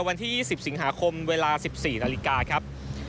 วันที่๒๐สิงหาคมเวลา๑๔นาฬิกาครับ